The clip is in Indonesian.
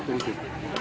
utama kita memasuki